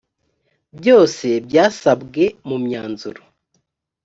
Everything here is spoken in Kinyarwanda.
byose byasabwe mu mwanzuro .